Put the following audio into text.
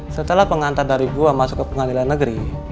setelah pengantar dari buah masuk ke pengadilan negeri